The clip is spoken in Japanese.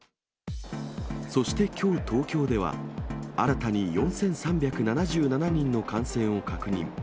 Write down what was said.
そしてきょう東京では、新たに４３７７人の感染を確認。